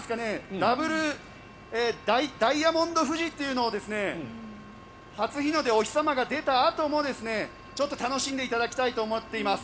ダブルダイヤモンド富士というのを初日の出、お日様が出たあともちょっと楽しんでいただきたいと思っています。